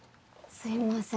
すいません。